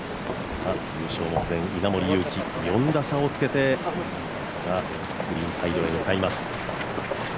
優勝目前、稲森佑貴４打差をつけてグリーンサイドへ向かいます。